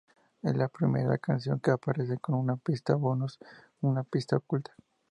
Es la primera canción que aparece con una pista bonus; una pista oculta.